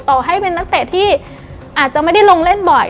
ต่อให้เป็นนักเตะที่อาจจะไม่ได้ลงเล่นบ่อย